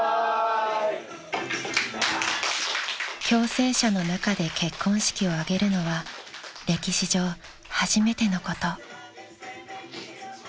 ［共生舎の中で結婚式を挙げるのは歴史上初めてのこと］